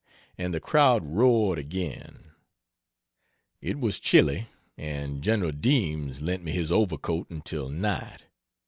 And the crowd roared again. It was chilly, and Gen. Deems lent me his overcoat until night.